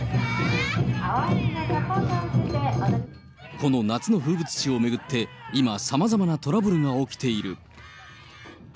この夏の風物詩を巡って、今、さまざまなトラブルが起きている。